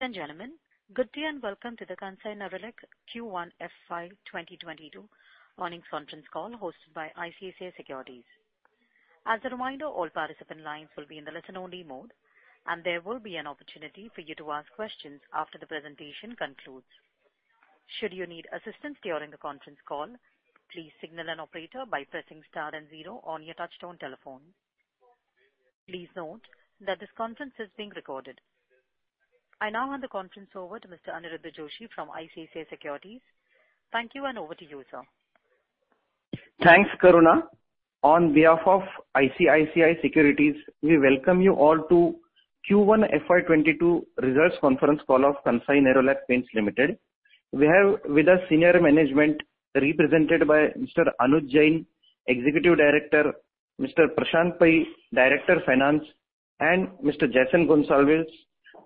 Gentlemen, good day and welcome to the Kansai Nerolac Q1 FY 2022 earnings conference call hosted by ICICI Securities. As a reminder, all participant lines will be in the listen only mode, and there will be an opportunity for you to ask questions after the presentation concludes. Should you need assistance during the conference call, please signal an operator by pressing star and zero on your touch-tone telephone. Please note that this conference is being recorded. I now hand the conference over to Mr. Aniruddha Joshi from ICICI Securities. Thank you, and over to you, sir. Thanks, Karuna. On behalf of ICICI Securities, we welcome you all to Q1 FY 2022 results conference call of Kansai Nerolac Paints Limited. We have with us senior management represented by Mr. Anuj Jain, Executive Director, Mr. Prashant Pai, Director of Finance, and Mr. Jason Gonsalves,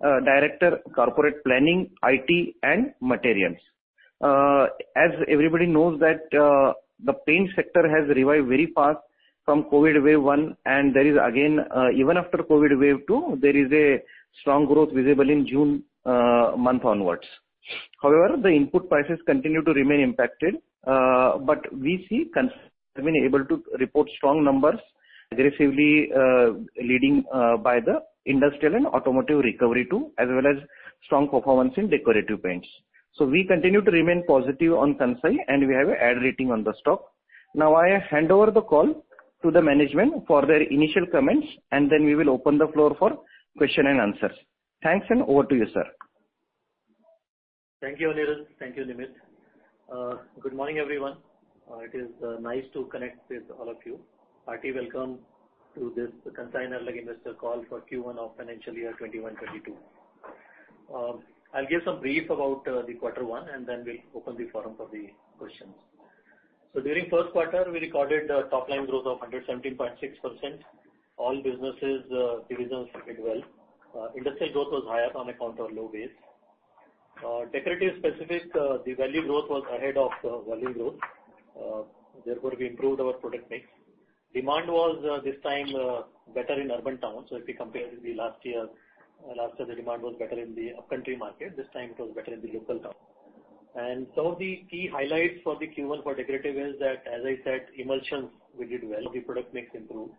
Director, Corporate Planning, IT and Materials. As everybody knows that the paint sector has revived very fast from COVID wave 1, and even after COVID wave two, there is a strong growth visible in June month onwards. However, the input prices continue to remain impacted, but we see Kansai have been able to report strong numbers, aggressively leading by the industrial and automotive recovery too, as well as strong performance in decorative paints. We continue to remain positive on Kansai, and we have an add rating on the stock. I hand over the call to the management for their initial comments, and then we will open the floor for question and answers. Thanks. Over to you, sir. Thank you, Aniruddha. Thank you, Namit. Good morning, everyone. It is nice to connect with all of you. Hearty welcome to this Kansai Nerolac investor call for Q1 of FY 2021/2022. I'll give some brief about the quarter one, and then we'll open the forum for the questions. During first quarter, we recorded a top-line growth of 117.6%. All businesses divisions did well. Industrial growth was higher on account of low base. Decorative specific, the value growth was ahead of volume growth. We improved our product mix. Demand was this time better in urban towns, so if we compare with the last year, last year the demand was better in the upcountry market. This time it was better in the local town. Some of the key highlights for the Q1 for decorative is that, as I said, emulsions we did well. The product mix improved.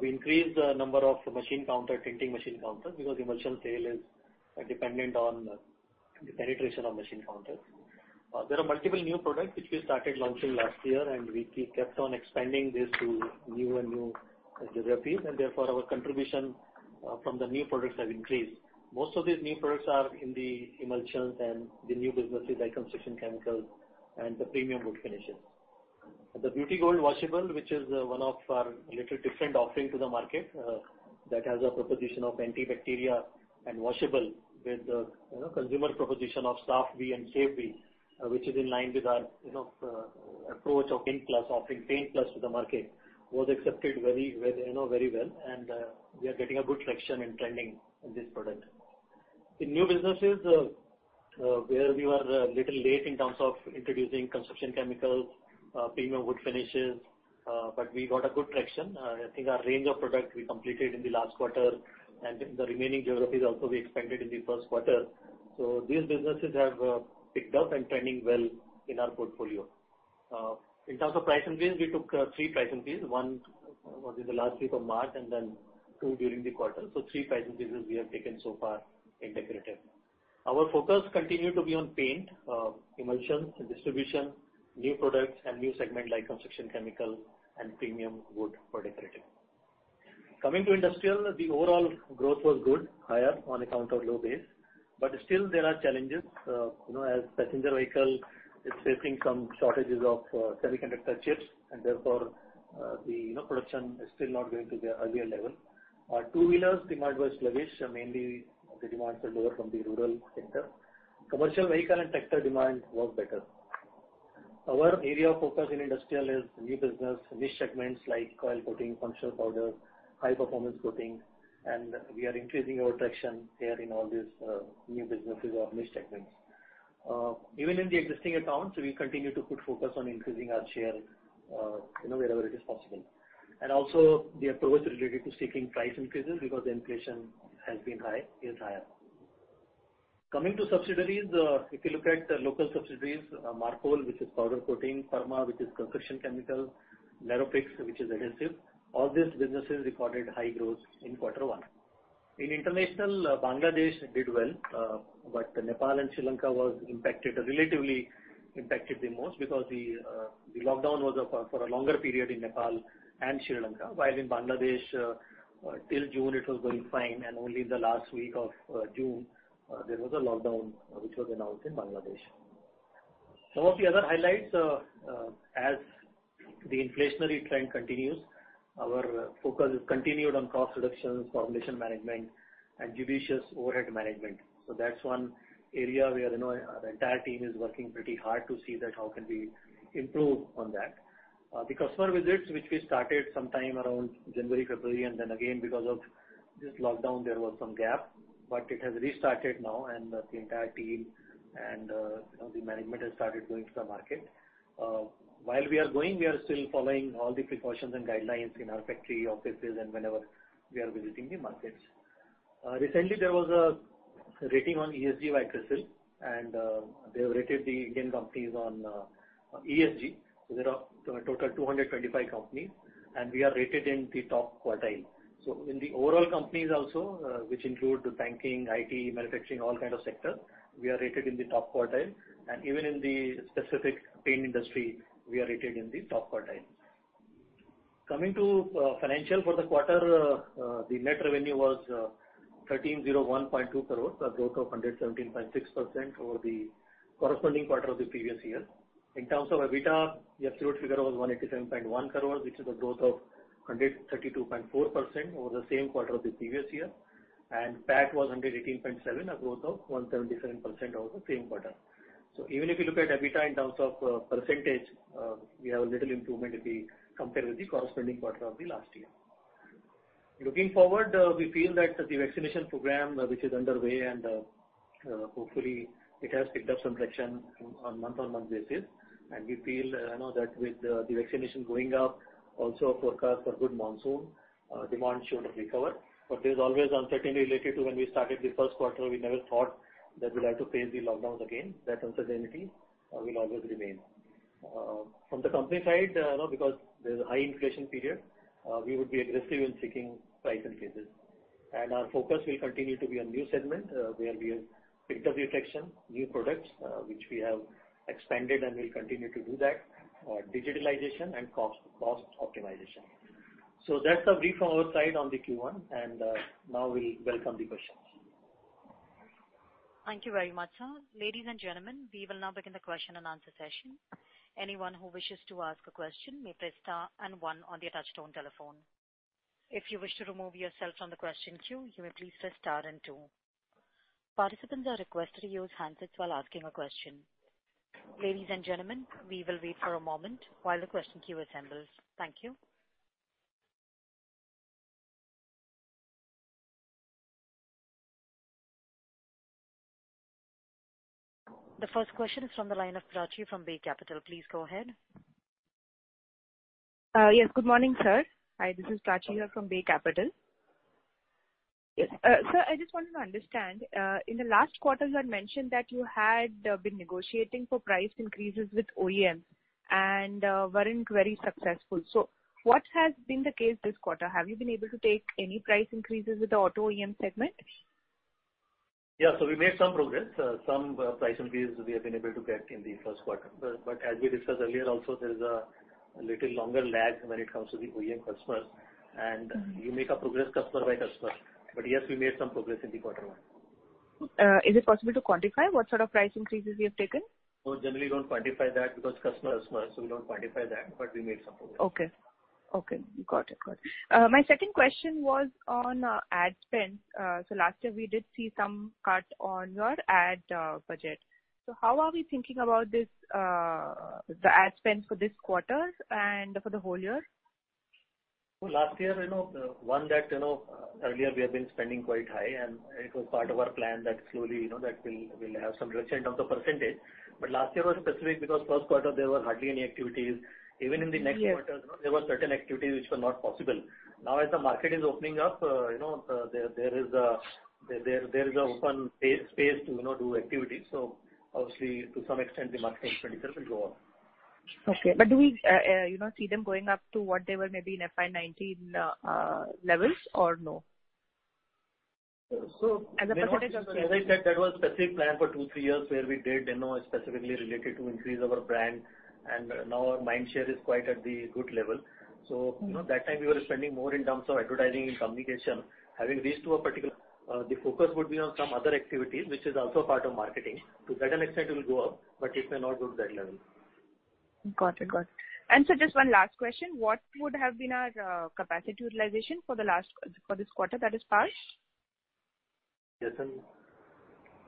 We increased the number of tinting machine counters because emulsion sale is dependent on the penetration of machine counters. There are multiple new products which we started launching last year. We kept on expanding this to new and new geographies. Therefore our contribution from the new products have increased. Most of these new products are in the emulsions and the new businesses like construction chemicals and the premium wood finishes. The Beauty Gold Washable, which is one of our little different offering to the market that has a proposition of antibacterial and washable with consumer proposition of Safvi and Sevvi, which is in line with our approach of PAINT+, offering PAINT+ to the market, was accepted very well. We are getting a good traction and trending in this product. In new businesses, where we were a little late in terms of introducing construction chemicals, premium wood finishes, but we got a good traction. I think our range of products we completed in the last quarter and the remaining geographies also we expanded in the first quarter. These businesses have picked up and trending well in our portfolio. In terms of price increases, we took three price increases. One was in the last week of March and then two during the quarter. Three price increases we have taken so far in decorative. Our focus continued to be on paint, emulsions and distribution, new products and new segment like construction chemical and premium wood for decorative. Coming to industrial, the overall growth was good, higher on account of low base, but still there are challenges. As passenger vehicle is facing some shortages of semiconductor chips, therefore the production is still not going to the ideal level. Two wheelers demand was sluggish, mainly the demands were lower from the rural sector. Commercial vehicle and tractor demand was better. Our area of focus in industrial is new business niche segments like coil coating, functional powder, high-performance coating, we are increasing our traction here in all these new businesses or niche segments. Even in the existing accounts, we continue to put focus on increasing our share wherever it is possible. Also the approach related to seeking price increases because the inflation has been high, is higher. Coming to subsidiaries, if you look at local subsidiaries, Marpol, which is powder coating, Perma, which is construction chemical, Nerofix, which is adhesive, all these businesses recorded high growth in quarter one. In international, Bangladesh did well, but Nepal and Sri Lanka was relatively impacted the most because the lockdown was for a longer period in Nepal and Sri Lanka. While in Bangladesh, till June it was going fine, and only in the last week of June, there was a lockdown which was announced in Bangladesh. Some of the other highlights, as the inflationary trend continues, our focus is continued on cost reductions, formulation management, and judicious overhead management. That's one area where our entire team is working pretty hard to see that how can we improve on that. The customer visits, which we started sometime around January, February. Then again, because of this lockdown, there was some gap. It has restarted now. The entire team and the management has started going to the market. While we are going, we are still following all the precautions and guidelines in our factory offices and whenever we are visiting the markets. Recently, there was a rating on ESG by CRISIL. They have rated the Indian companies on ESG. There are a total of 225 companies. We are rated in the top quartile. In the overall companies also, which include banking, IT, manufacturing, all kind of sectors, we are rated in the top quartile. Even in the specific paint industry, we are rated in the top quartile. Coming to financial for the quarter, the net revenue was 1,301.2 crores, a growth of 117.6% over the corresponding quarter of the previous year. In terms of EBITDA, the absolute figure was 187.1 crores, which is a growth of 132.4% over the same quarter of the previous year. PAT was 118.7, a growth of 177% over the same quarter. Even if you look at EBITDA in terms of percentage, we have a little improvement compared with the corresponding quarter of the last year. Looking forward, we feel that the vaccination program, which is underway and hopefully it has picked up some traction on month-on-month basis. We feel that with the vaccination going up, also a forecast for good monsoon, demand should recover. There's always uncertainty related to when we started the first quarter, we never thought that we'd have to face the lockdowns again. That uncertainty will always remain. From the company side, because there's a high inflation period, we would be aggressive in seeking price increases. Our focus will continue to be on new segment where we have picked up traction, new products which we have expanded and will continue to do that, digitalization, and cost optimization. That's a brief from our side on the Q1, and now we welcome the questions. Thank you very much, sir. Ladies and gentlemen, we will now begin the question and answer session. Anyone who wishes to ask a question may press star and one on their touchtone telephone. If you wish to remove yourself from the question queue, you may please press star and two. Participants are requested to use handsets while asking a question. Ladies and gentlemen, we will wait for a moment while the question queue assembles. Thank you. The first question is from the line of Prachi from Bay Capital. Please go ahead. Yes. Good morning, sir. Hi, this is Prachi here from Bay Capital. Sir, I just wanted to understand. In the last quarter you had mentioned that you had been negotiating for price increases with OEM and weren't very successful. What has been the case this quarter? Have you been able to take any price increases with the auto OEM segment? Yeah. We made some progress, some price increase we have been able to get in the first quarter. As we discussed earlier also, there is a little longer lag when it comes to the OEM customers and you make progress customer by customer. Yes, we made some progress in the quarter one. Is it possible to quantify what sort of price increases you have taken? Generally we don't quantify that because customer is customer, so we don't quantify that, but we made some progress. Okay. Got it. My second question was on ad spend. Last year we did see some cut on your ad budget. How are we thinking about the ad spend for this quarter and for the whole year? Last year, earlier we have been spending quite high, and it was part of our plan that slowly we'll have some reduction of the percentage. Last year was specific because first quarter there was hardly any activities, even in the next quarter. Yes There were certain activities which were not possible. Now as the market is opening up, there is an open space to do activities, obviously to some extent the marketing expenditure will go up. Okay. Do we see them going up to what they were maybe in FY 2019 levels or no? As I said, that was specific plan for two, three years where we did, specifically related to increase our brand and now our mind share is quite at the good level. That time we were spending more in terms of advertising and communication. Having reached to a particular, the focus would be on some other activities, which is also part of marketing. To that extent it will go up, but it may not go to that level. Got it. Sir, just one last question. What would have been our capacity utilization for this quarter that is past?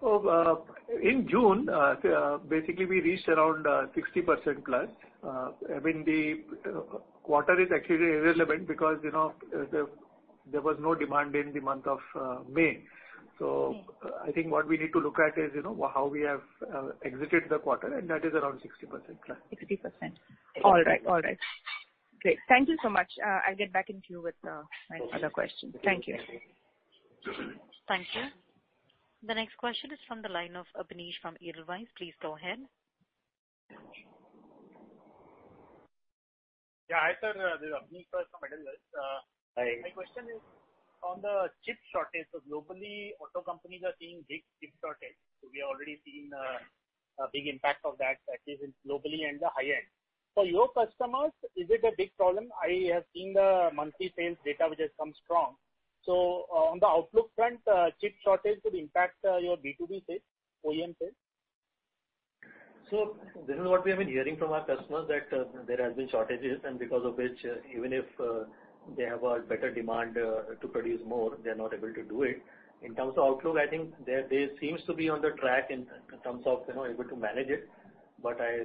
Yes. In June, basically we reached around 60% plus. I mean, the quarter is actually irrelevant because there was no demand in the month of May. I think what we need to look at is how we have exited the quarter, and that is around 60% plus. 60%. All right. Great. Thank you so much. I'll get back in queue with my other questions. Thank you. Okay. Thank you. The next question is from the line of Abneesh from Edelweiss, please go ahead. Yeah, hi sir. This is Abhinesh from Edelweiss. Hi. My question is on the chip shortage. Globally, auto companies are seeing big chip shortage. We are already seeing a big impact of that, at least globally and the high end. For your customers, is it a big problem? I have seen the monthly sales data, which has come strong. On the outlook front, chip shortage could impact your B2B sales, OEM sales? This is what we have been hearing from our customers, that there has been shortages and because of which, even if they have a better demand to produce more, they're not able to do it. In terms of outlook, I think they seems to be on the track in terms of able to manage it, but I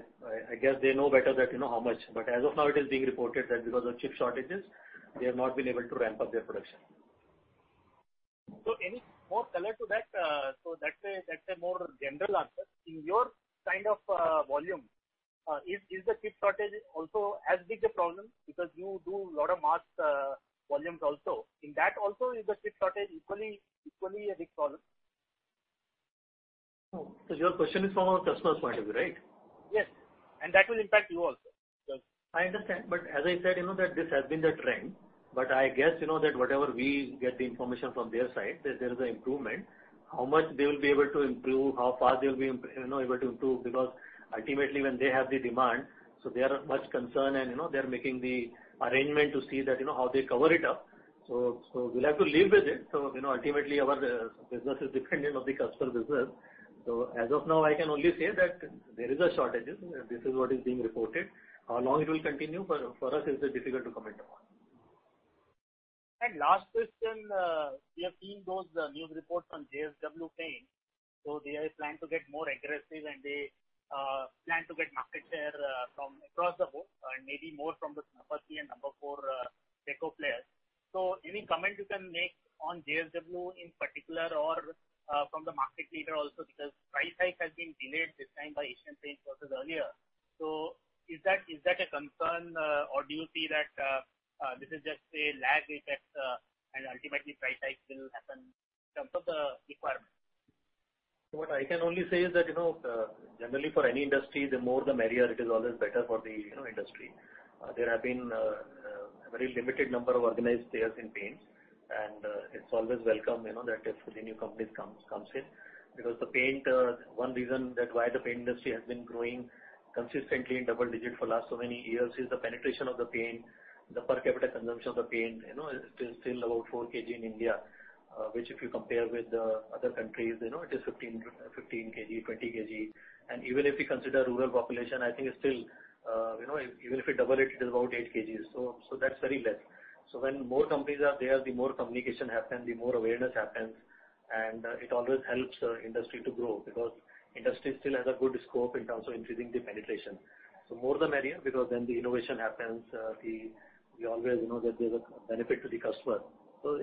guess they know better how much. As of now, it is being reported that because of chip shortages, they have not been able to ramp up their production. Any more color to that? That's a more general answer. In your kind of volume, is the chip shortage also as big a problem because you do a lot of mass volumes also. In that also, is the chip shortage equally a big problem? Your question is from a customer's point of view, right? Yes. That will impact you also. I understand. As I said, this has been the trend, but I guess, that whatever we get the information from their side, that there is a improvement, how much they will be able to improve, how fast they will be able to improve, because ultimately when they have the demand, so they are much concerned and they're making the arrangement to see that how they cover it up. We'll have to live with it. Ultimately our business is dependent on the customer business. As of now, I can only say that there is a shortages, and this is what is being reported. How long it will continue, for us, it's difficult to comment upon. Last question. We have seen those news reports on JSW saying, they are planning to get more aggressive and they plan to get market share from across the board, and maybe more from the number three and number four deco players. Any comment you can make on JSW in particular or from the market leader also because price hike has been delayed this time by Asian Paints versus earlier. Is that a concern or do you see that this is just a lag effect and ultimately price hike will happen in terms of the requirement? What I can only say is that, generally for any industry, the more the merrier, it is always better for the industry. There have been a very limited number of organized players in paints. It's always welcome that a fully new company comes in because one reason that why the paint industry has been growing consistently in double digit for last so many years is the penetration of the paint, the per capita consumption of the paint, it is still about 4 kg in India, which if you compare with other countries, it is 15 kg, 20 kg. Even if you consider rural population, I think it's still, even if you double it is about 8 kg. That's very less. When more companies are there, the more communication happens, the more awareness happens, and it always helps industry to grow because industry still has a good scope in terms of increasing the penetration. More the merrier, because then the innovation happens, we always know that there's a benefit to the customer.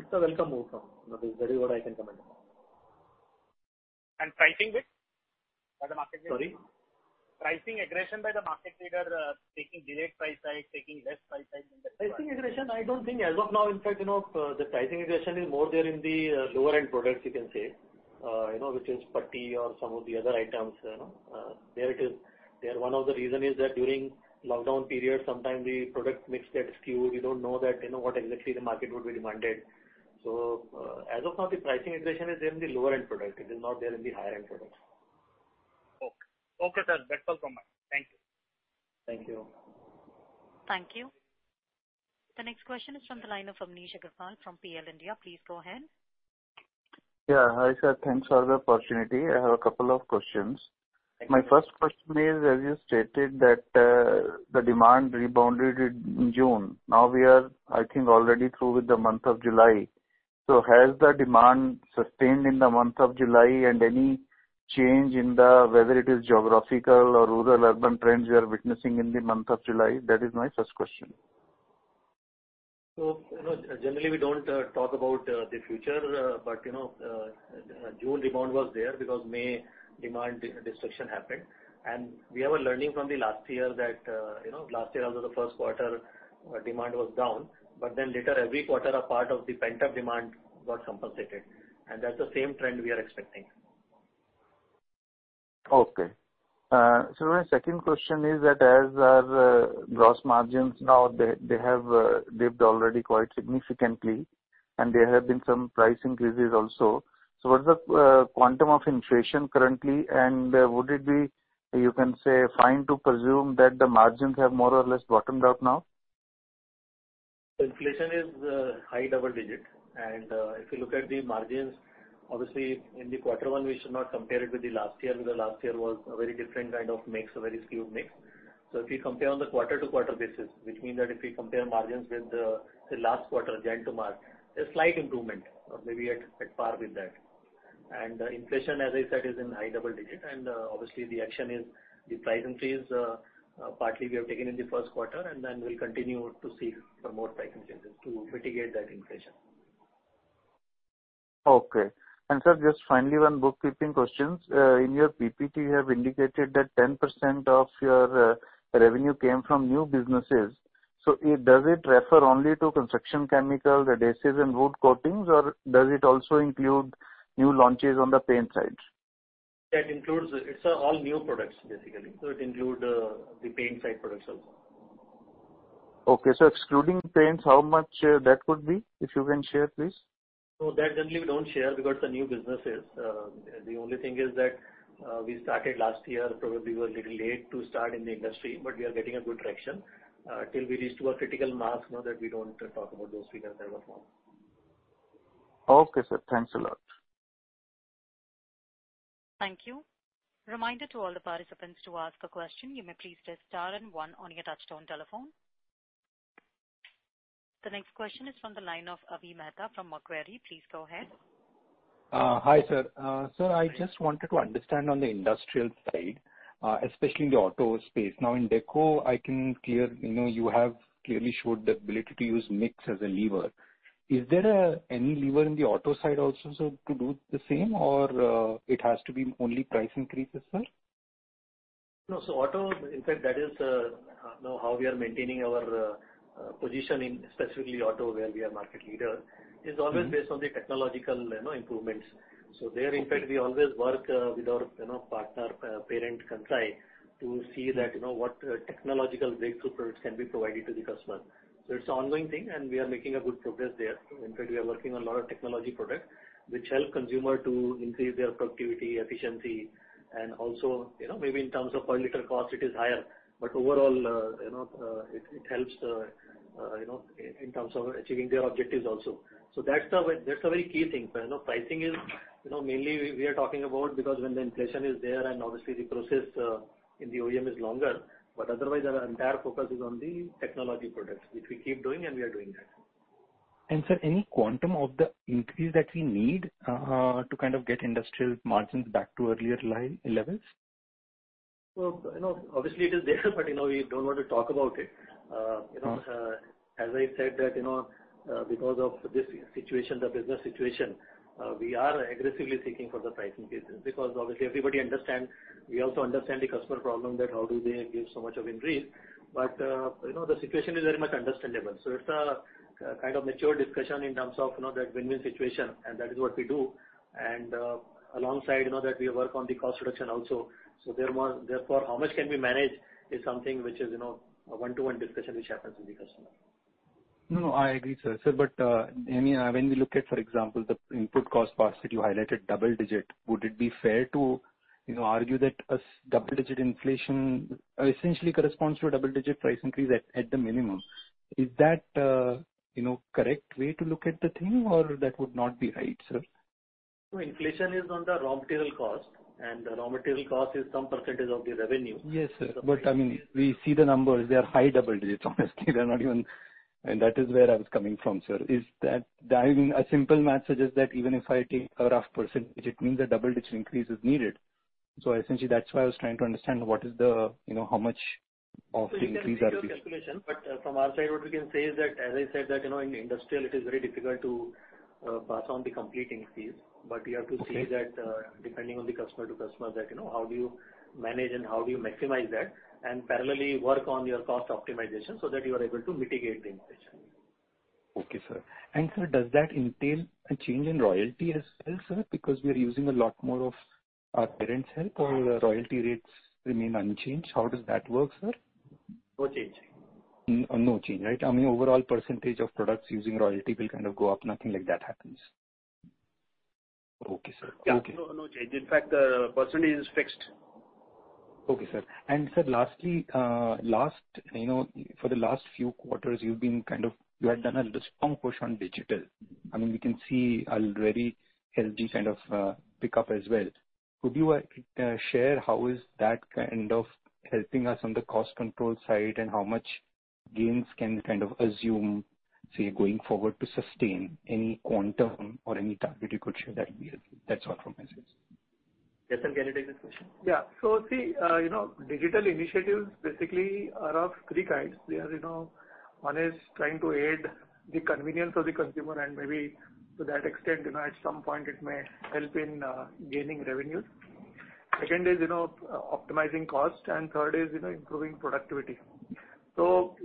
It's a welcome outcome. That is what I can comment upon. Pricing bit by the market leader? Sorry. Pricing aggression by the market leader, taking delayed price hike, taking less price hike than that. Pricing aggression, I don't think as of now. In fact, the pricing aggression is more there in the lower-end products, you can say, which is putty or some of the other items. There it is. There one of the reason is that during lockdown period, sometime the product mix gets skewed. You don't know that what exactly the market would be demanded. As of now, the pricing aggression is there in the lower-end product. It is not there in the higher-end product. Okay. Okay, sir. That's all from me. Thank you. Thank you. Thank you. The next question is from the line of Amnish Aggarwal from Prabhudas Lilladher. Please go ahead. Hi, sir. Thanks for the opportunity. I have a couple of questions. Thank you. My first question is, as you stated that the demand rebounded in June. Now we are, I think, already through with the month of July. Has the demand sustained in the month of July and any change in the, whether it is geographical or rural-urban trends you are witnessing in the month of July? That is my first question. Generally we don't talk about the future, but June demand was there because May demand destruction happened. We are learning from the last year that, last year also the first quarter demand was down, but then later every quarter a part of the pent-up demand got compensated. That's the same trend we are expecting. Okay. Sir, my second question is that as our gross margins now they have dipped already quite significantly, and there have been some price increases also. What's the quantum of inflation currently, and would it be, you can say, fine to presume that the margins have more or less bottomed out now? Inflation is high double-digit. If you look at the margins, obviously in the quarter one, we should not compare it with the last year because last year was a very different kind of mix, a very skewed mix. If you compare on the quarter-over-quarter basis, which means that if we compare margins with the last quarter, January to March, a slight improvement or maybe at par with that. Inflation, as I said, is in high double-digit and obviously the action is the price increase, partly we have taken in the first quarter and then we'll continue to seek for more price increases to mitigate that inflation. Okay. Sir, just finally, 1 bookkeeping questions. In your PPT, you have indicated that 10% of your revenue came from new businesses. Does it refer only to construction chemicals, adhesives and wood coatings, or does it also include new launches on the paint side? That includes, it's all new products, basically. It include the paint side products also. Okay. Excluding paints, how much that would be, if you can share, please? That generally we don't share because the new businesses. The only thing is that we started last year, probably we're a little late to start in the industry, but we are getting a good traction. Till we reach to a critical mass, that we don't talk about those figures as of now. Okay, sir. Thanks a lot. Thank you. Reminder to all the participants to ask a question, you may please press star 1 on your touchtone telephone. The next question is from the line of Avi Mehta from Macquarie. Please go ahead. Hi, sir. Sir, I just wanted to understand on the industrial side, especially in the auto space. In deco, you have clearly showed the ability to use mix as a lever. Is there any lever in the auto side also, sir, to do the same or it has to be only price increases, sir? No. Auto, in fact, that is how we are maintaining our position in specifically auto, where we are market leader, is always based on the technological improvements. There, in fact, we always work with our partner, parent Kansai, to see that what technological breakthrough products can be provided to the customer. It's an ongoing thing, and we are making a good progress there. In fact, we are working on a lot of technology products which help consumer to increase their productivity, efficiency, and also maybe in terms of per liter cost it is higher, but overall, it helps in terms of achieving their objectives also. That's a very key thing. Pricing is mainly we are talking about because when the inflation is there and obviously the process in the OEM is longer, but otherwise our entire focus is on the technology products, which we keep doing and we are doing that. Sir, any quantum of the increase that we need to kind of get industrial margins back to earlier levels? Well, obviously it is there, but we don't want to talk about it. Okay. As I said that because of this situation, the business situation, we are aggressively seeking for the pricing increases. Obviously everybody understand, we also understand the customer problem that how do they give so much of increase. The situation is very much understandable. It's a kind of mature discussion in terms of that win-win situation, and that is what we do. Alongside, that we work on the cost reduction also. Therefore, how much can we manage is something which is a one-to-one discussion which happens with the customer. No, I agree, sir. Sir, when we look at, for example, the input cost pass that you highlighted double digit, would it be fair to argue that a double-digit inflation essentially corresponds to a double-digit price increase at the minimum? Is that correct way to look at the thing, or that would not be right, sir? No, inflation is on the raw material cost, and the raw material cost is some percentage of the revenue. Yes, sir. I mean, we see the numbers, they are high double digits. Honestly, that is where I was coming from, sir. Is that a simple math suggests that even if I take a rough percentage, it means a double-digit increase is needed. Essentially that's why I was trying to understand how much of the increase are we seeing. You can make your calculation, but from our side, what we can say is that, as I said, that in industrial it is very difficult to pass on the complete increase. We have to see that depending on the customer to customer that how do you manage and how do you maximize that, and parallelly work on your cost optimization so that you are able to mitigate the inflation. Okay, sir. Sir, does that entail a change in royalty as well, sir? Because we are using a lot more of our parent's help or royalty rates remain unchanged. How does that work, sir? No change. No change, right? I mean, overall percentage of products using royalty will kind of go up. Nothing like that happens. Okay, sir. Okay. No change. In fact, the percentage is fixed. Okay, sir. Sir, lastly, for the last few quarters you had done a strong push on digital. I mean, we can see a very healthy kind of pick up as well. Could you share how is that kind of helping us on the cost control side, and how much gains can we kind of assume, say, going forward to sustain, any quantum or any target you could share that'd be helpful. That's all from my side. Yes, sir. Can I take that question? Yeah. See, digital initiatives basically are of three kinds. One is trying to aid the convenience of the consumer and maybe to that extent, at some point it may help in gaining revenues. Two is optimizing cost, and 3 is improving productivity.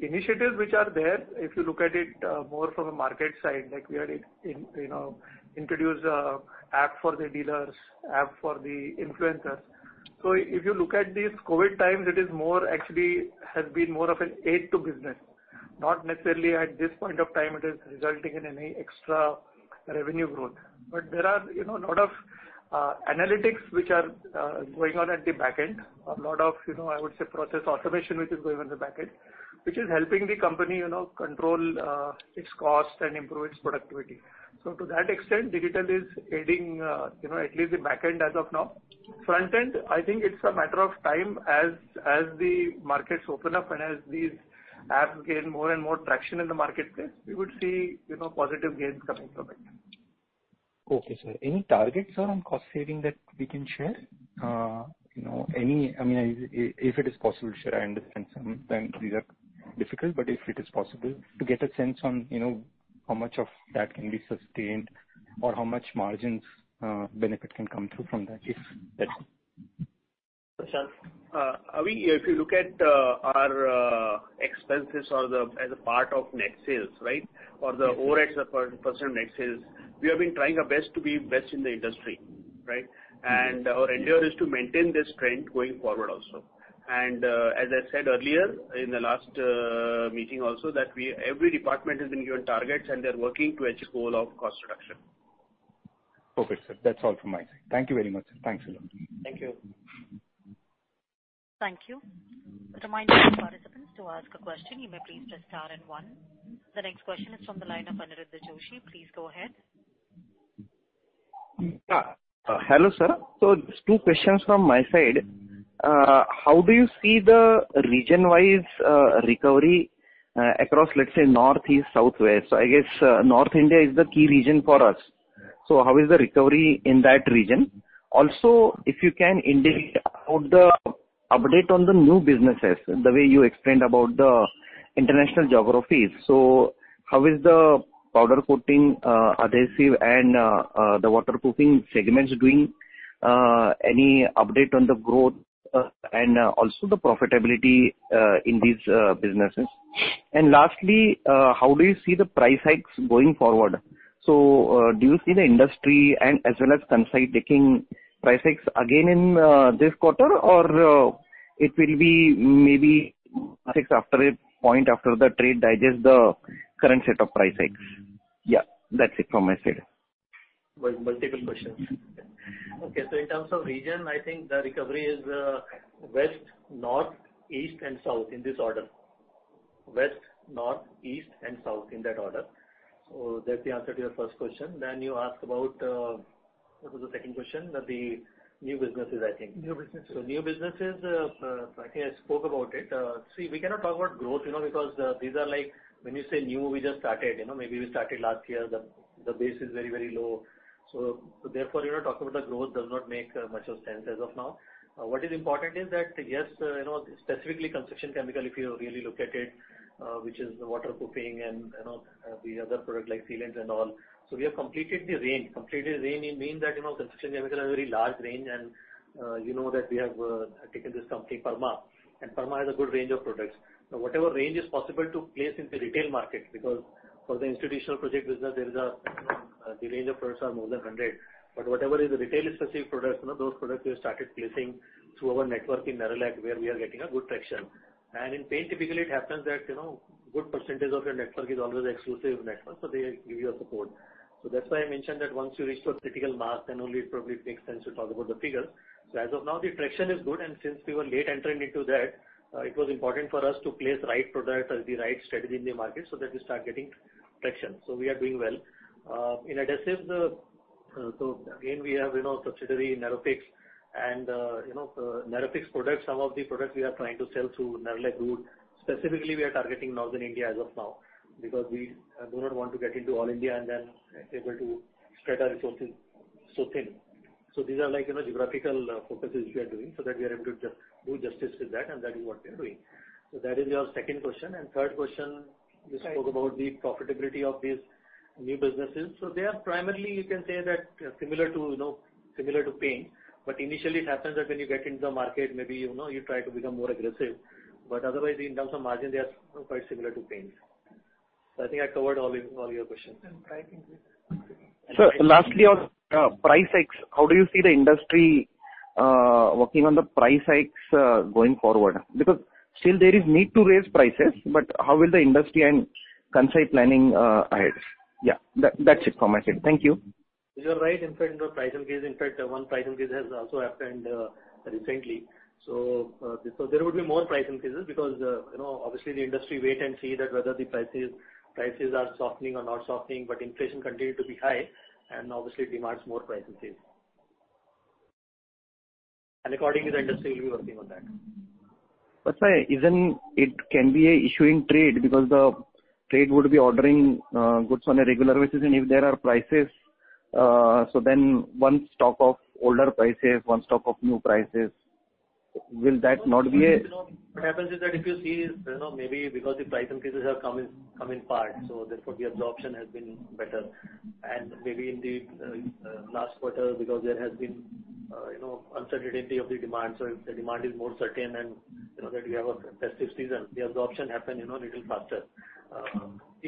Initiatives which are there, if you look at it more from a market side, like we had introduced app for the dealers, app for the influencers. If you look at these COVID times, it is more actually has been more of an aid to business. Not necessarily at this point of time it is resulting in any extra revenue growth. There are a lot of analytics which are going on at the back end. A lot of, I would say, process automation which is going on the back end, which is helping the company control its cost and improve its productivity. To that extent, digital is aiding at least the back end as of now. Front end, I think it's a matter of time as the markets open up and as these apps gain more and more traction in the market, we would see positive gains coming from it. Okay, sir. Any targets around cost saving that we can share? If it is possible to share, I understand some of them these are difficult, but if it is possible to get a sense on how much of that can be sustained or how much margins benefit can come through from that. Jason. Avi, if you look at our expenses or as a part of net sales, right? Or the OPEX % net sales, we have been trying our best to be best in the industry, right? Our endeavor is to maintain this trend going forward also. As I said earlier in the last meeting also that every department has been given targets, and they're working to achieve goal of cost reduction. Okay, sir. That's all from my side. Thank you very much. Thanks a lot. Thank you. Thank you. A reminder for participants to ask a question, you may please press star and one. The next question is from the line of Aniruddha Joshi. Please go ahead. Hello, sir. Just two questions from my side. How do you see the region-wise recovery across, let's say, northeast, southwest? I guess North India is the key region for us. How is the recovery in that region? Also, if you can indicate about the update on the new businesses, the way you explained about International geographies. How is the powder coating, adhesives, and the waterproofing segments doing? Any update on the growth and also the profitability in these businesses? Lastly, how do you see the price hikes going forward? Do you see the industry and as well as Kansai taking price hikes again in this quarter or it will be maybe price after a point after the trade digests the current set of price hikes? Yeah, that's it from my side. Multiple questions. Okay. In terms of region, I think the recovery is west, north, east, and south in this order. West, north, east, and south in that order. That's the answer to your first question. You asked about, what was the second question? The new businesses, I think. New businesses. New businesses, I think I spoke about it. We cannot talk about growth, because these are like when you say new, we just started. Maybe we started last year. The base is very low. Therefore, talking about the growth does not make much of sense as of now. What is important is that, yes, specifically construction chemicals, if you really look at it which is the waterproofing and the other product like sealants and all. We have completed the range. Completed the range means that, construction chemicals has a very large range and you know that we have taken this company, Perma, and Perma has a good range of products. Now, whatever range is possible to place into retail markets, because for the institutional project business, there is a range of products are more than 100. Whatever is the retail-specific products, those products we have started placing through our network in Nerolac, where we are getting a good traction. In paint, typically it happens that, good percentage of your network is always exclusive network, so they give you a support. That's why I mentioned that once you reach to a critical mass, then only it probably makes sense to talk about the figures. As of now, the traction is good, and since we were late entering into that, it was important for us to place right product at the right strategy in the market so that we start getting traction. We are doing well. In adhesive, again, we have subsidiary, Nerofix, and Nerofix products, some of the products we are trying to sell through Nerolac Wood. Specifically, we are targeting Northern India as of now because we do not want to get into all India and then able to spread our resources so thin. These are geographical focuses we are doing, so that we are able to do justice with that, and that is what we are doing. That is your second question. Third question, you spoke about the profitability of these new businesses. They are primarily, you can say that similar to paint. Initially, it happens that when you get into the market, maybe you try to become more aggressive. Otherwise, in terms of margin, they are quite similar to paints. I think I covered all your questions. Pricing, yes. Sir, lastly on price hikes, how do you see the industry working on the price hikes going forward? Still there is need to raise prices, but how will the industry and Kansai planning ahead? Yeah, that's it from my side. Thank you. You're right. In fact, price increase. One price increase has also happened recently. There would be more price increases because, obviously the industry waits and sees whether the prices are softening or not softening, but inflation continues to be high and obviously demands more price increases. Accordingly, the industry will be working on that. Sir, isn't it can be a issuing trade because the trade would be ordering goods on a regular basis, and if there are prices, so then one stock of older prices, one stock of new prices. Will that not be a- What happens is that if you see, maybe because the price increases have come in parts, so therefore, the absorption has been better. Maybe in the last quarter, because there has been uncertainty of the demand, if the demand is more certain and that we have a festive season, the absorption happen little faster.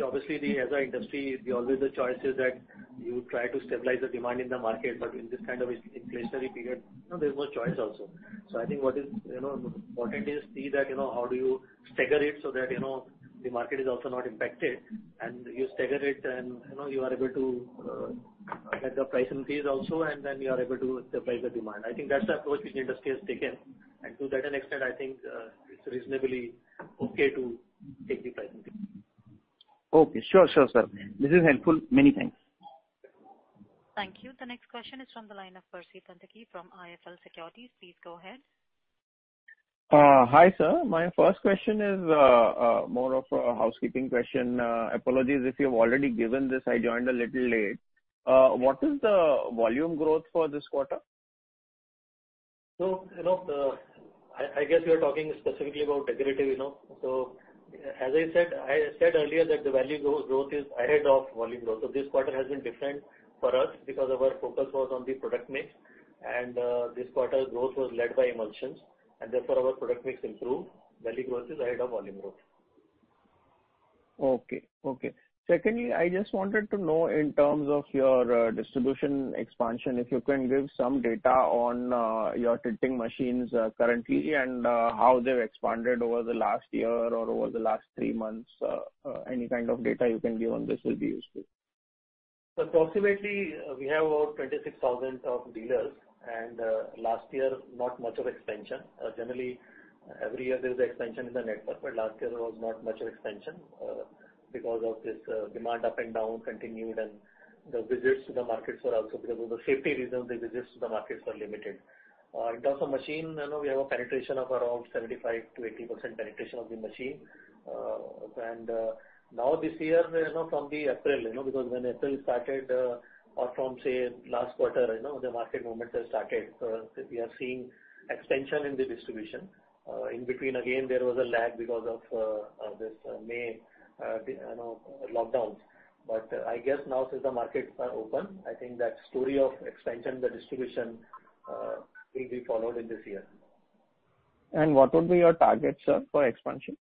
Obviously, as an industry, always the choice is that you try to stabilize the demand in the market, but in this kind of inflationary period, there's no choice also. I think what is important is see that, how do you stagger it so that the market is also not impacted and you stagger it and you are able to get the price increase also, and then you are able to stabilize the demand. I think that's the approach which the industry has taken. To that extent, I think, it's reasonably okay to take the price increase. Okay. Sure, sir. This is helpful. Many thanks. Thank you. The next question is from the line of Percy Panthaki from IIFL Securities. Please go ahead. Hi, sir. My first question is more of a housekeeping question. Apologies if you've already given this, I joined a little late. What is the volume growth for this quarter? I guess you're talking specifically about decorative. As I said earlier that the value growth is ahead of volume growth. This quarter has been different for us because our focus was on the product mix, and this quarter growth was led by emulsions, and therefore our product mix improved. Value growth is ahead of volume growth. Okay. Secondly, I just wanted to know in terms of your distribution expansion, if you can give some data on your tinting machines currently and how they've expanded over the last year or over the last three months. Any kind of data you can give on this will be useful. Approximately, we have over 26,000 of dealers, and last year, not much of expansion. Generally, every year there is expansion in the network, but last year was not much of expansion because of this demand up and down continued and the visits to the markets were also because of the safety reasons, the visits to the markets were limited. In terms of machine, we have a penetration of around 75%-80% penetration of the machine. Now this year, from the April, because when April started or from, say, last quarter, the market movements have started, we are seeing expansion in the distribution. In between again, there was a lag because of this May lockdowns. I guess now since the markets are open, I think that story of expansion, the distribution will be followed in this year. What would be your target, sir, for expansion?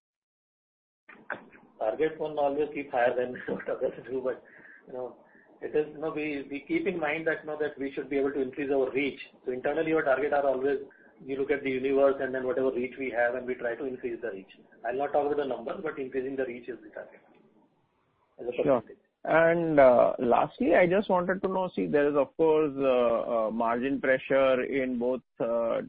Targets won't always keep higher than what others do, but we keep in mind that we should be able to increase our reach. Internally, our target are always, we look at the universe and then whatever reach we have, and we try to increase the reach. I'll not talk about the numbers, but increasing the reach is the target. Sure. Lastly, I just wanted to know, see, there is, of course, margin pressure in both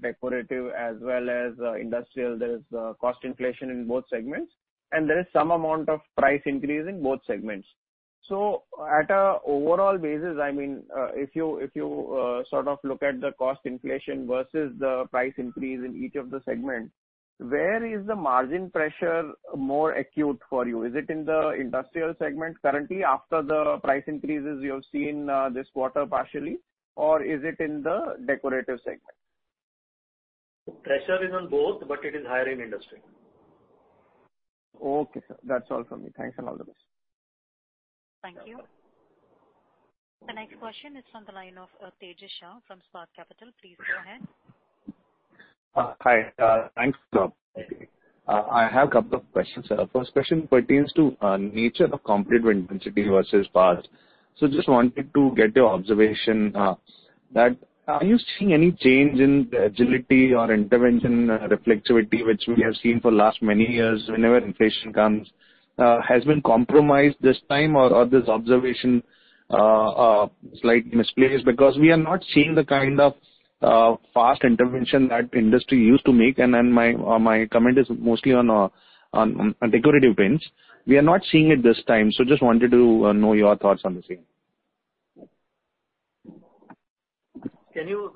decorative as well as industrial. There is cost inflation in both segments, and there is some amount of price increase in both segments. At a overall basis, if you sort of look at the cost inflation versus the price increase in each of the segments, where is the margin pressure more acute for you? Is it in the industrial segment currently after the price increases you have seen this quarter partially? Or is it in the decorative segment? Pressure is on both, but it is higher in industrial. Okay, sir. That's all from me. Thanks, and all the best. Thank you. The next question is on the line of Tejas Shah from Spark Capital. Please go ahead. Hi. Thanks. I have couple of questions. First question pertains to nature of competitive intensity versus past. Just wanted to get your observation that are you seeing any change in the agility or intervention reflexivity, which we have seen for last many years whenever inflation comes, has been compromised this time or this observation slightly misplaced? We are not seeing the kind of fast intervention that industry used to make, and then my comment is mostly on decorative paints. We are not seeing it this time. Just wanted to know your thoughts on the same. Can you,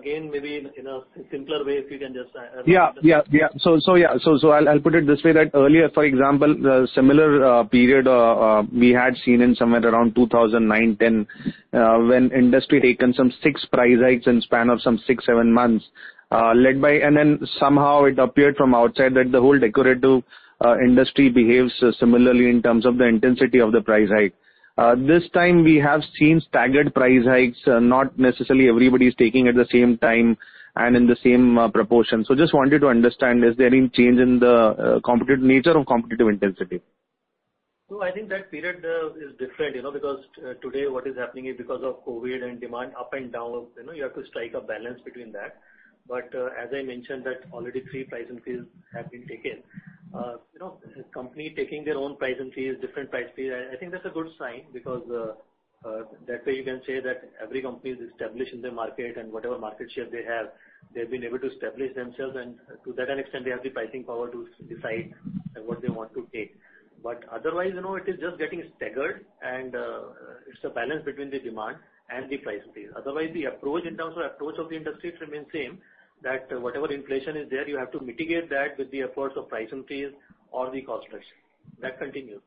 again, maybe in a simpler way, if you can just- Yeah. I'll put it this way that earlier, for example, similar period we had seen in somewhere around 2009, 2010, when industry had taken six price hikes in span of six, seven months. Somehow it appeared from outside that the whole decorative industry behaves similarly in terms of the intensity of the price hike. This time we have seen staggered price hikes, not necessarily everybody's taking at the same time and in the same proportion. Just wanted to understand, is there any change in the nature of competitive intensity? I think that period is different, because today what is happening is because of COVID and demand up and down, you have to strike a balance between that. As I mentioned that already three price increases have been taken. Company taking their own price increase, different price increase, I think that's a good sign because that way you can say that every company is established in the market, and whatever market share they have, they've been able to establish themselves. To that an extent, they have the pricing power to decide what they want to take. Otherwise, it is just getting staggered, and it's a balance between the demand and the price increase. Otherwise, the approach in terms of approach of the industry remains same, that whatever inflation is there, you have to mitigate that with the efforts of price increase or the cost cuts. That continues.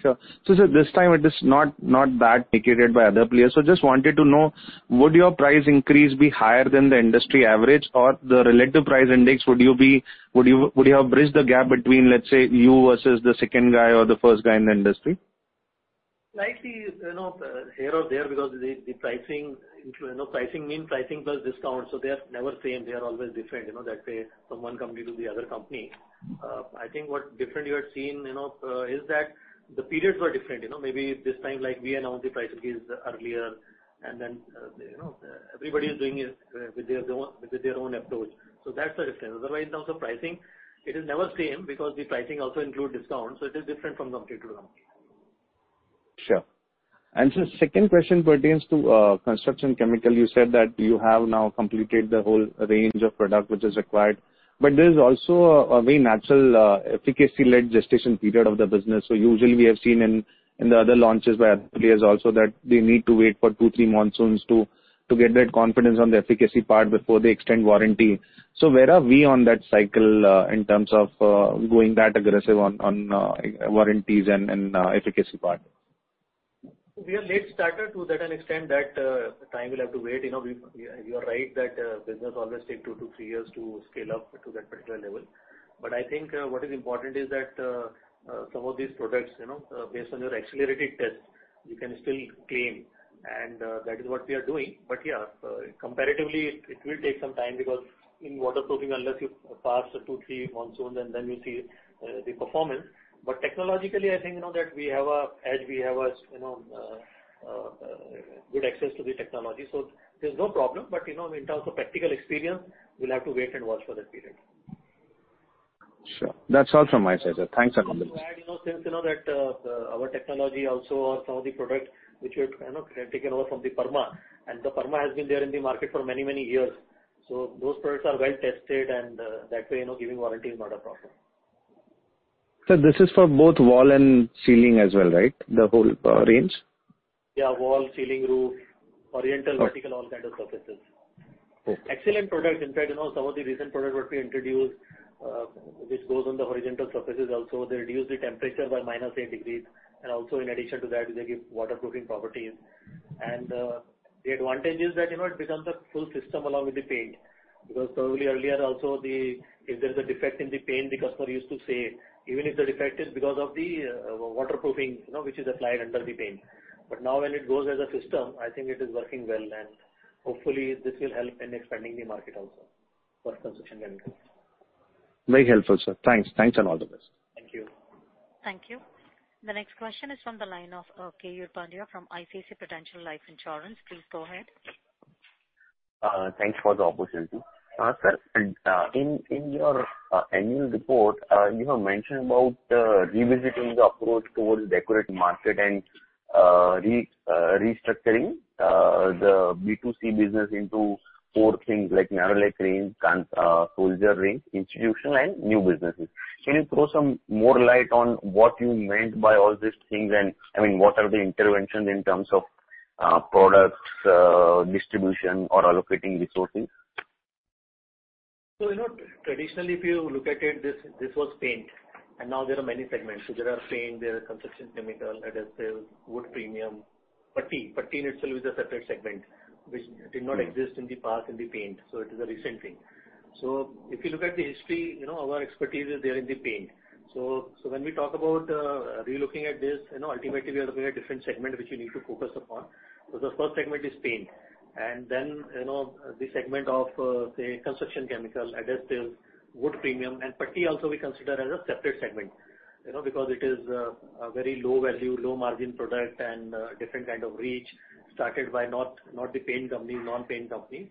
Sure. This time it is not that dictated by other players. Just wanted to know, would your price increase be higher than the industry average or the relative price index? Would you have bridged the gap between, let's say, you versus the second guy or the first guy in the industry? Slightly, here or there, because the pricing means pricing plus discount. They're never same, they're always different, that way from one company to the other company. I think what different you are seeing is that the periods were different. Maybe this time, like we announced the price increase earlier, and then everybody is doing it with their own approach. That's the difference. Otherwise, in terms of pricing, it is never same because the pricing also include discount. It is different from company to company. Sure. Sir, second question pertains to construction chemical. You said that you have now completed the whole range of product which is required, there's also a very natural efficacy-led gestation period of the business. Usually we have seen in the other launches where players also that they need to wait for two, three monsoons to get that confidence on the efficacy part before they extend warranty. Where are we on that cycle in terms of going that aggressive on warranties and efficacy part? We are late starter to that an extent that time will have to wait. You are right that business always take two-three years to scale up to that particular level. I think what is important is that some of these products, based on your accelerated test, you can still claim, and that is what we are doing. Yeah, comparatively, it will take some time because in waterproofing, unless you pass two, three monsoons, then you see the performance. Technologically, I think that we have a good access to the technology, there's no problem. In terms of practical experience, we'll have to wait and watch for that period. Sure. That's all from my side, sir. Thanks and all the best. Just to add, since you know that our technology also or some of the product which we have taken over from the Perma, the Perma has been there in the market for many, many years. Those products are well-tested, and that way, giving warranty is not a problem. Sir, this is for both wall and ceiling as well, right? The whole range. Yeah. Wall, ceiling, roof, horizontal, vertical, all kind of surfaces. Okay. Excellent products. In fact, some of the recent products which we introduced, which goes on the horizontal surfaces also. They reduce the temperature by minus 8 degrees, and also in addition to that, they give waterproofing properties. The advantage is that it becomes a full system along with the paint. Probably earlier also, if there's a defect in the paint, the customer used to say, even if the defect is because of the waterproofing which is applied under the paint. Now when it goes as a system, I think it is working well. Hopefully this will help in expanding the market also for construction chemicals. Very helpful, sir. Thanks, and all the best. Thank you. Thank you. The next question is from the line of Keyur Pandya from ICICI Prudential Life Insurance. Please go ahead. Thanks for the opportunity. Sir, in your annual report, you have mentioned about revisiting the approach towards decorative market and restructuring the B2C business into four things like Nerolac paints, soldiering, institution, and new businesses. Can you throw some more light on what you meant by all these things, and what are the interventions in terms of products, distribution or allocating resources? Traditionally, if you look at it, this was paint, and now there are many segments. There are paint, there are construction chemicals, adhesives, wood premium, putty. Putty in itself is a separate segment, which did not exist in the past in the paint. It is a recent thing. If you look at the history, our expertise is there in the paint. When we talk about relooking at this, ultimately we are looking at different segment which we need to focus upon. The first segment is paint, and then the segment of, say, construction chemicals, adhesives, wood premium, and putty also we consider as a separate segment because it is a very low value, low margin product and different kind of reach, started by not the paint company, non-paint company.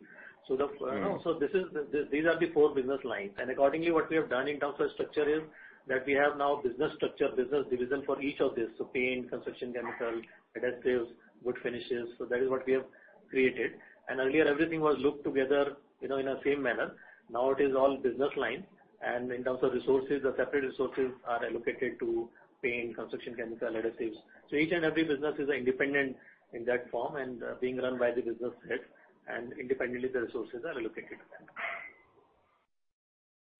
These are the four business lines. Accordingly, what we have done in terms of structure is that we have now business structure, business division for each of these. Paint, construction chemical, adhesives, wood finishes. That is what we have created. Earlier everything was looked together in a same manner. Now it is all business line, and in terms of resources, the separate resources are allocated to paint, construction chemical, adhesives. Each and every business is independent in that form, and being run by the business head, and independently the resources are allocated.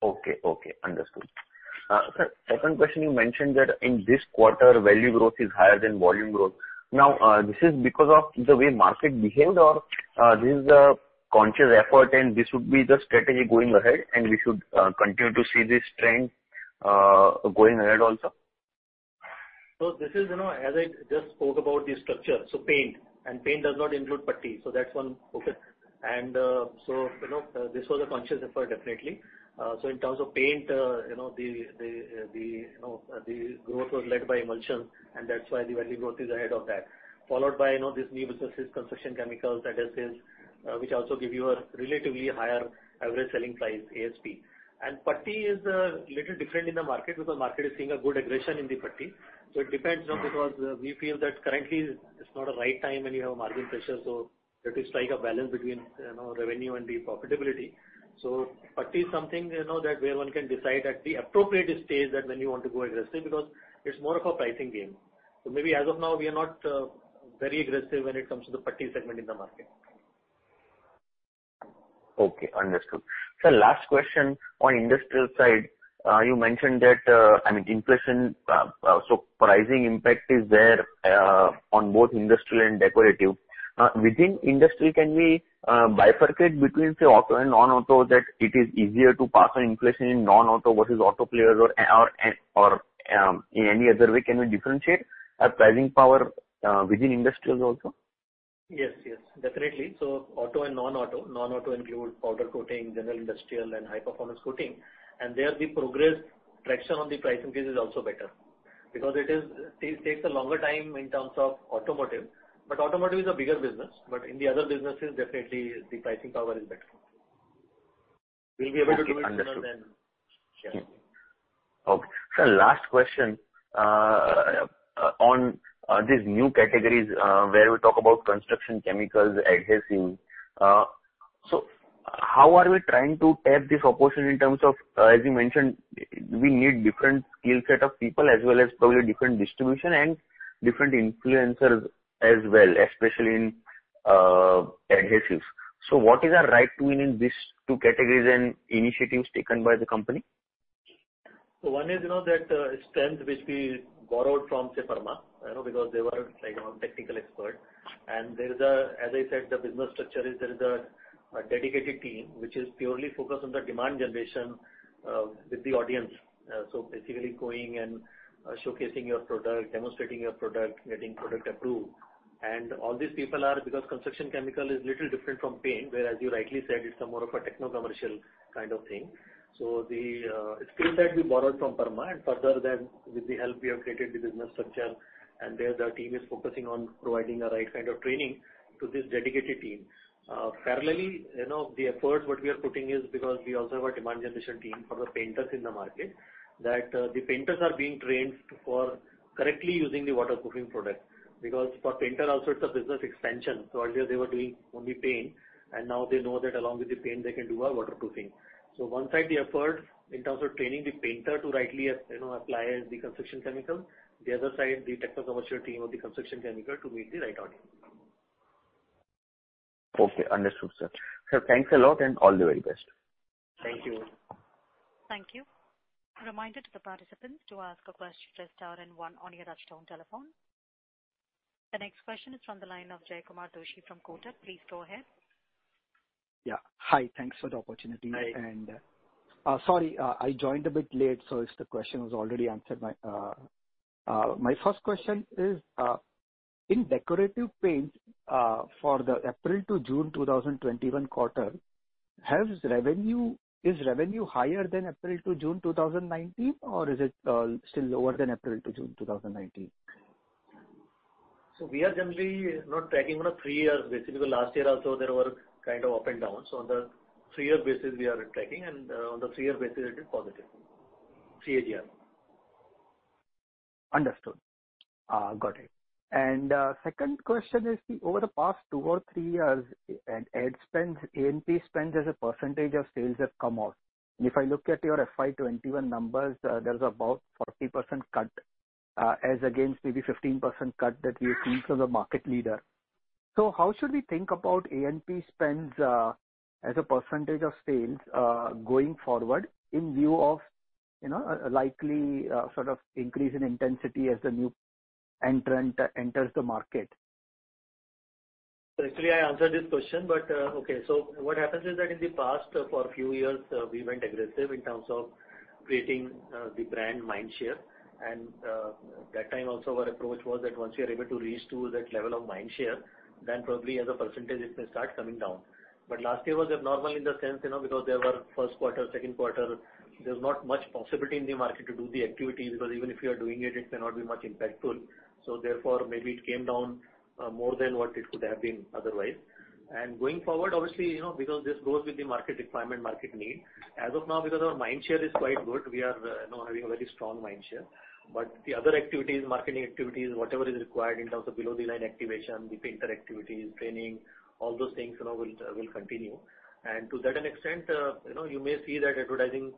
Okay. Understood. Sir, second question, you mentioned that in this quarter, value growth is higher than volume growth. Now, this is because of the way market behaved, or this is a conscious effort and this would be the strategy going ahead, and we should continue to see this trend going ahead also? This is, as I just spoke about the structure, so paint, and paint does not include putty. That's one. Okay. This was a conscious effort, definitely. In terms of paint, the growth was led by emulsion, and that's why the value growth is ahead of that. Followed by these new businesses, construction chemicals, adhesives, which also give you a relatively higher average selling price, ASP. Putty is a little different in the market because market is seeing a good aggression in the putty. It depends, because we feel that currently it's not a right time when you have margin pressure. We have to strike a balance between revenue and the profitability. Putty is something that where one can decide at the appropriate stage that when you want to go aggressive, because it's more of a pricing game. Maybe as of now, we are not very aggressive when it comes to the putty segment in the market. Okay, understood. Sir, last question. On industrial side, you mentioned that, I mean, inflation, pricing impact is there on both industrial and decorative. Within industrial, can we bifurcate between, say, auto and non-auto, that it is easier to pass on inflation in non-auto versus auto players? In any other way, can we differentiate pricing power within industrials also? Yes. Definitely. Auto and non-auto. Non-auto include powder coating, general industrial, and high-performance coating. There, the progress traction on the pricing piece is also better because it takes a longer time in terms of automotive. Automotive is a bigger business, but in the other businesses, definitely the pricing power is better. We'll be able to do it sooner than. Okay, understood. Sure. Okay. Sir, last question. On these new categories, where we talk about construction chemicals, adhesives, so how are we trying to tap this opportunity in terms of, as you mentioned, we need different skill set of people as well as probably different distribution and different influencers as well, especially in adhesives. What is our right to win in these two categories and initiatives taken by the company? One is that strength which we borrowed from, say, Perma, because they were technical expert. As I said, the business structure is there is a dedicated team which is purely focused on the demand generation with the audience. Basically going and showcasing your product, demonstrating your product, getting product approved. All these people are, because construction chemical is little different from paint, where as you rightly said, it's more of a techno commercial kind of thing. The skill set we borrowed from Perma, further than with the help we have created the business structure, there the team is focusing on providing the right kind of training to this dedicated team. Parallelly, the effort what we are putting is because we also have a demand generation team for the painters in the market, that the painters are being trained for correctly using the waterproofing product. Because for painter also, it's a business extension. Earlier they were doing only paint, and now they know that along with the paint they can do a waterproofing. One side the effort in terms of training the painter to rightly apply the construction chemical, the other side, the techno commercial team of the construction chemical to meet the right audience. Okay. Understood, sir. Sir, thanks a lot, and all the very best. Thank you. Thank you. The next question is from the line of Jaykumar Doshi from Kotak. Please go ahead. Yeah. Hi. Thanks for the opportunity. Hi. Sorry, I joined a bit late, so if the question was already answered. My first question is, in decorative paints for the April to June 2021 quarter, is revenue higher than April to June 2019, or is it still lower than April to June 2019? We are generally not tracking on a three year basis, because last year also there were kind of up and downs. On the three year basis we are tracking, and on the three year basis it is positive. CAGR. Understood. Got it. Second question is, over the past two or three years, ad spends, A&P spends as a % of sales have come out. If I look at your FY 2021 numbers, there's about 40% cut as against maybe 15% cut that we have seen from the market leader. How should we think about A&P spends as a % of sales, going forward in view of a likely increase in intensity as the new entrant enters the market? I answered this question, but okay. What happens is that in the past, for a few years, we went aggressive in terms of creating the brand mind share. That time also, our approach was that once you are able to reach to that level of mind share, then probably as a percentage, it may start coming down. Last year was abnormal in the sense, because there were 1st quarter, 2nd quarter, there's not much possibility in the market to do the activity, because even if you are doing it may not be much impactful. Therefore, maybe it came down more than what it could have been otherwise. Going forward, obviously, because this goes with the market requirement, market need. As of now, because our mind share is quite good, we are now having a very strong mind share. The other activities, marketing activities, whatever is required in terms of below the line activation, the painter activities, training, all those things will continue. To that extent, you may see that advertising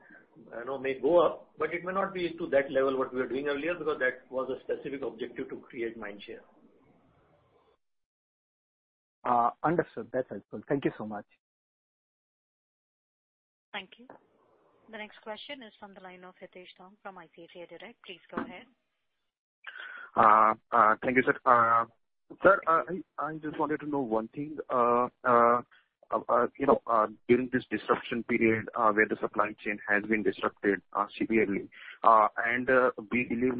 may go up, but it may not be to that level what we were doing earlier, because that was a specific objective to create mind share. Understood. That's helpful. Thank you so much. Thank you. The next question is from the line of Hitesh Asrani from ICICI Direct. Please go ahead. Thank you, sir. Sir, I just wanted to know one thing. During this disruption period, where the supply chain has been disrupted severely, and we believe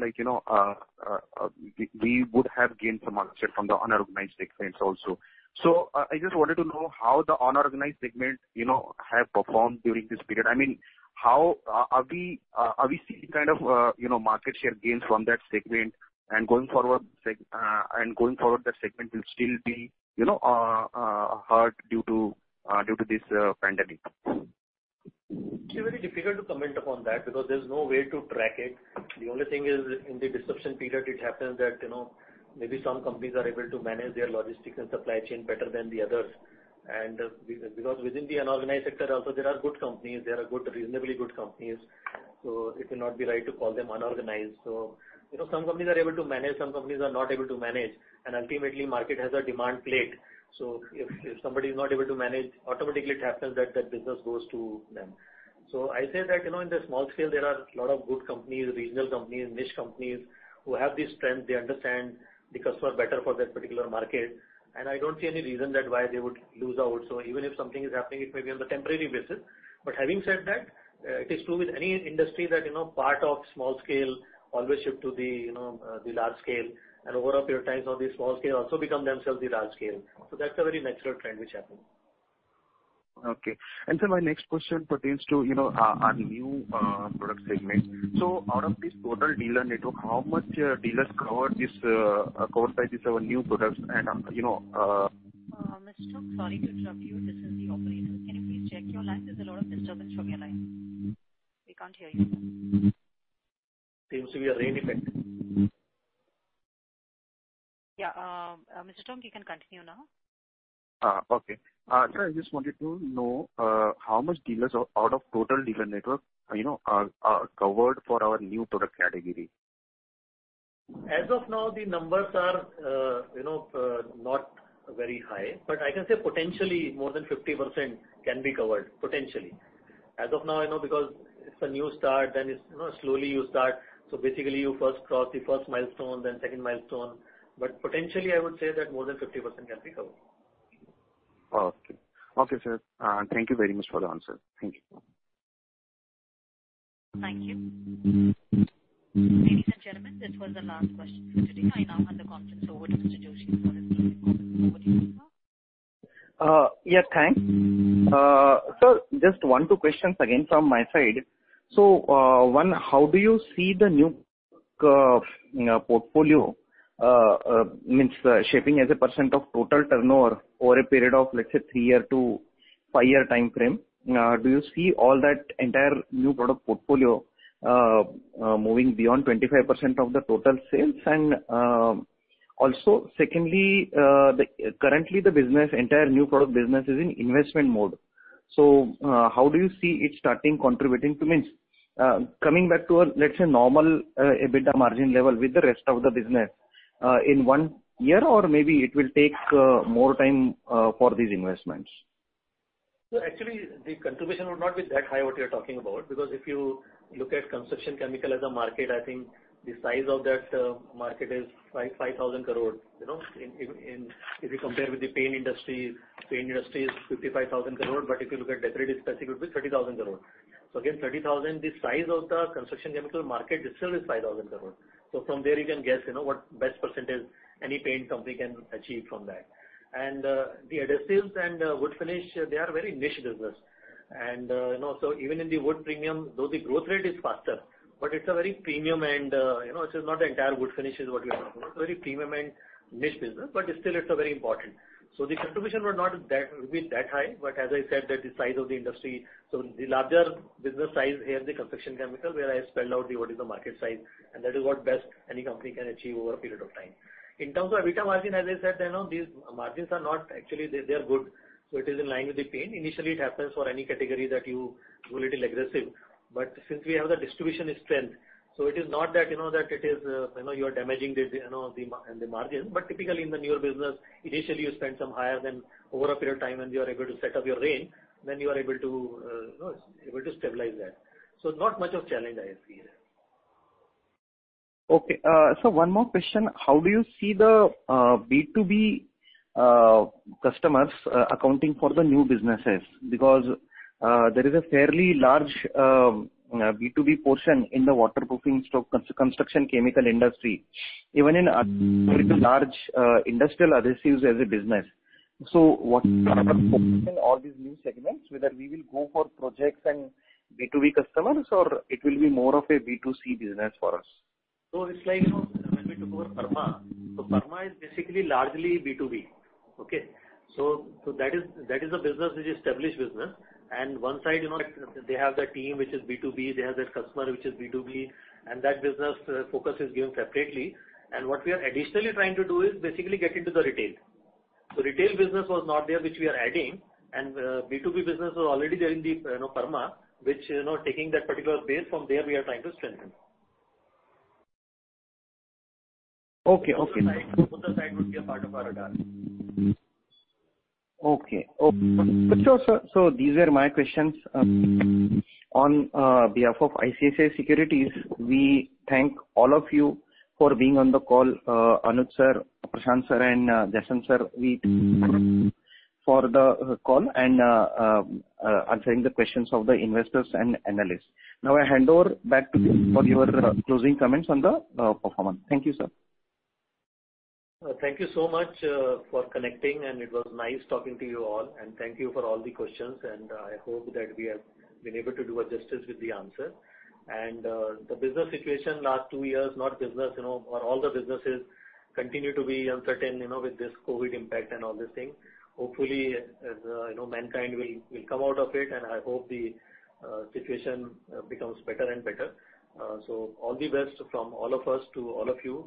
we would have gained some market share from the unorganized segments also. I just wanted to know how the unorganized segment have performed during this period. Are we seeing market share gains from that segment, and going forward that segment will still be hard due to this pandemic? It's very difficult to comment upon that because there's no way to track it. The only thing is, in the disruption period, it happens that maybe some companies are able to manage their logistics and supply chain better than the others. Because within the unorganized sector also, there are good companies, there are reasonably good companies. It will not be right to call them unorganized. Some companies are able to manage, some companies are not able to manage, and ultimately market has a demand plate. If somebody is not able to manage, automatically it happens that that business goes to them. I say that, in the small scale, there are a lot of good companies, regional companies, niche companies who have the strength. They understand the customer better for that particular market, and I don't see any reason why they would lose out. Even if something is happening, it may be on a temporary basis. Having said that, it is true with any industry that part of small scale always shift to the large scale, and over a period of time, some of the small scale also become themselves the large scale. That's a very natural trend which happens. Okay. Sir, my next question pertains to our new product segment. Out of this total dealer network, how much dealers covered by these our new products? Mr. Asrani, sorry to interrupt you. This is the operator. Can you please check your line? There is a lot of disturbance from your line. We cannot hear you. Seems to be a rain effect. Yeah. Mr. Asrani, you can continue now. Sir, I just wanted to know how much dealers out of total dealer network are covered for our new product category. As of now, the numbers are not very high, but I can say potentially more than 50% can be covered. Potentially. As of now, because it's a new start, then slowly you start. Basically you first cross the first milestone, then second milestone. Potentially, I would say that more than 50% can be covered. Okay. Okay, sir. Thank you very much for the answer. Thank you. Thank you. Ladies and gentlemen, this was the last question for today. I now hand the conference over to Mr. Joshi, who will now take over. Yeah, thanks. Sir, just one, two questions again from my side. One, how do you see the new portfolio shaping as a % of total turnover over a period of, let's say, three year to five year time frame? Do you see all that entire new product portfolio moving beyond 25% of the total sales? Secondly, currently the entire new product business is in investment mode. How do you see it starting contributing to, coming back to a, let's say, normal EBITDA margin level with the rest of the business, in one year, or maybe it will take more time for these investments? Actually, the contribution would not be that high what you're talking about, because if you look at construction chemicals as a market, I think the size of that market is 5,000 crore. If you compare with the paint industry, paint industry is 55,000 crore, but if you look at decorative specific, it will be 30,000 crore. Again, the size of the construction chemicals market itself is 5,000 crore. The adhesives and wood finish, they are very niche business. Even in the wood premium, though the growth rate is faster, but it's a very premium and it's not the entire wood finish is what we are talking about. It's very premium and niche business, still it's very important. The contribution would not be that high, but as I said, that the size of the industry, the larger business size here in the construction chemicals, where I spelled out what is the market size, and that is what best any company can achieve over a period of time. In terms of EBITDA margin, as I said, these margins are not actually They're good. It is in line with the paint. Initially, it happens for any category that you go little aggressive. Since we have the distribution strength, it is not that you are damaging the margin, typically in the newer business, initially you spend some higher than over a period of time, and you are able to set up your range, you are able to stabilize that. Not much of challenge I see there. Okay. Sir, one more question. How do you see the B2B customers accounting for the new businesses? There is a fairly large B2B portion in the waterproofing construction chemical industry, even in large industrial adhesives as a business. What are the focus in all these new segments, whether we will go for projects and B2B customers, or it will be more of a B2C business for us? It's like, when we took over Perma. Perma is basically largely B2B. Okay? That is a business which is established business, and one side, they have the team, which is B2B, they have that customer, which is B2B, and that business focus is given separately. What we are additionally trying to do is basically get into the retail. Retail business was not there, which we are adding, and B2B business was already there in the Perma, which, taking that particular base from there, we are trying to strengthen. Okay. Both the sides will be a part of our radar. Okay. Sure, sir. These were my questions. On behalf of ICICI Securities, we thank all of you for being on the call, Anuj sir, Prashant sir, and Jason sir. We thank you for the call and answering the questions of the investors and analysts. Now I hand over back to you for your closing comments on the performance. Thank you, sir. Thank you so much for connecting. It was nice talking to you all. Thank you for all the questions. I hope that we have been able to do justice with the answer. The business situation last two years, not business, or all the businesses continue to be uncertain, with this COVID impact and all these things. Hopefully, mankind will come out of it. I hope the situation becomes better and better. All the best from all of us to all of you.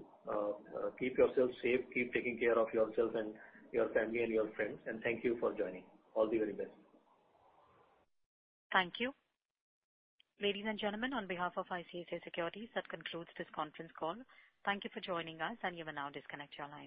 Keep yourselves safe, keep taking care of yourselves and your family and your friends. Thank you for joining. All the very best. Thank you. Ladies and gentlemen, on behalf of ICICI Securities, that concludes this conference call. Thank you for joining us, and you may now disconnect your lines.